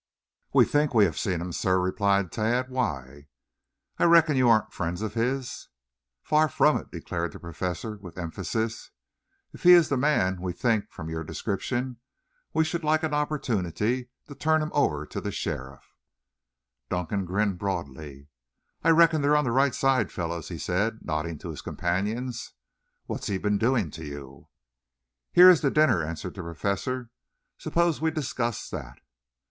"We think we have seen him, sir," replied Tad. "Why?" "I reckon you aren't friends of his?" "Far from it," declared the Professor with emphasis. "If he is the man we think from your description, we should like an opportunity to turn him over to a sheriff." Dunkan grinned broadly. "I reckon they're on the right side, fellows," he said, nodding to his companions. "What's he been doing to you?" "Here is the dinner," answered the Professor. "Suppose we discuss that?"